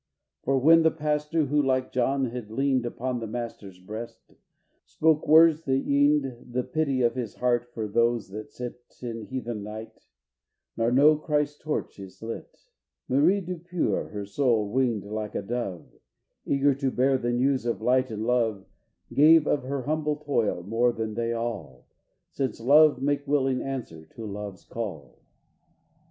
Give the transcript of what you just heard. For when the pastor, who, like John, had leaned Upon the Master's breast, spoke words that yeaned The pity of his heart for those that sit In heathen night, nor know Christ's torch is lit; Marie Depure, her soul winged like a dove Eager to bear the news of light and love, Gave of her humble toil more than they all, Since love makes willing answer to Love's call.